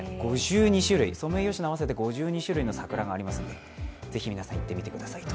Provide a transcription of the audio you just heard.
ソメイヨシノ合わせて５２種類の桜がありますのでぜひ、皆さん行ってみてください。